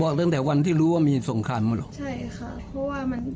ตั้งแต่วันที่รู้ว่ามีสงครามหมดหรอใช่ค่ะเพราะว่ามัน